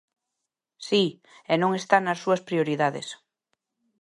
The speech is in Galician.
Si, e non está nas súas prioridades.